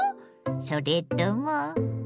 それとも。